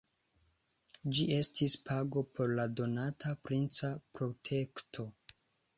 Ĝi estis pago por la donata princa protekto.